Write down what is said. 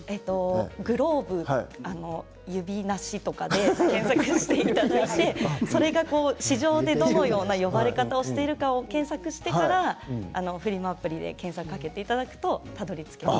グローブ、指なしとかで検索していただいてそれが市場でどのような呼ばれ方をしているかを検索してからフリマアプリで検索をかけていただくとたどりつきます。